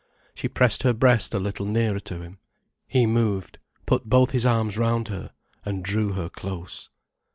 She pressed her breast a little nearer to him, he moved, put both his arms round her, and drew her close.